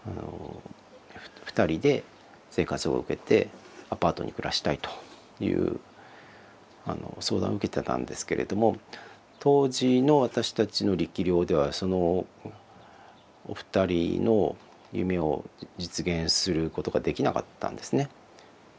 ふたりで生活保護を受けてアパートに暮らしたいという相談を受けてたんですけれども当時の私たちの力量ではそのお二人の夢を実現することができなかったんですね。